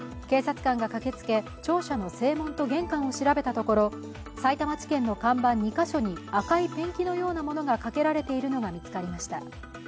警察官が駆けつけ、庁舎の正門と玄関を調べたところさいたま地検の看板２カ所に赤いペンキのようなものがかけられているのが見つかりました。